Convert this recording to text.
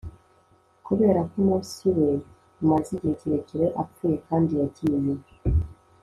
kuberako umunsi we umaze igihe kirekire apfuye kandi yagiye